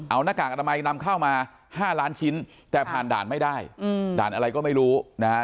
เอาหน้ากากอนามัยนำเข้ามา๕ล้านชิ้นแต่ผ่านด่านไม่ได้ด่านอะไรก็ไม่รู้นะฮะ